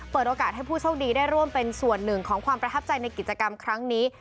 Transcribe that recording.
เปิดโอกาสให้ผู้โชคดีได้ร่วมเป็นส่วนหนึ่งของความประทับใจในกิจกรรมครั้งนี้